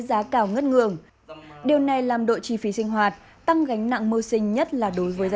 giá cả ngất ngường điều này làm đội chi phí sinh hoạt tăng gánh nặng mưu sinh nhất là đối với gia